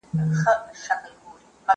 چي پرون وو گاونډی نن میرڅمن سو